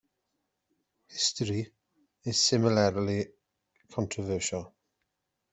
History is similarly controversial.